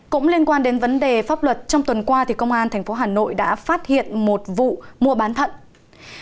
cũng liên quan đến vấn đề pháp luật trong tuần qua thì công an thành phố hà nội đã phát hiện một vụ mua bán đất rừng ở sóc sơn